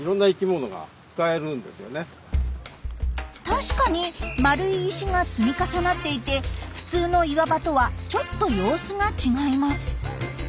確かに丸い石が積み重なっていて普通の岩場とはちょっと様子が違います。